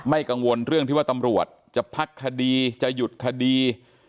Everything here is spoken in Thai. กังวลเรื่องที่ว่าตำรวจจะพักคดีจะหยุดคดี